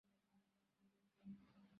তিনি নিজেই নিজের জন্য রাখেন।